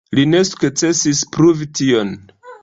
Li ne sukcesis pruvi tion.